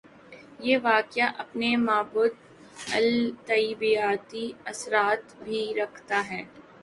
یہ واقعہ اپنے ما بعدالطبیعاتی اثرات بھی رکھتا ہے۔